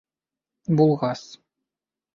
Булғас?